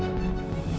kamu nggak itu tuh